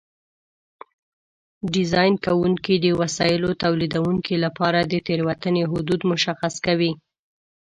ډیزاین کوونکي د وسایلو تولیدوونکو لپاره د تېروتنې حدود مشخص کوي.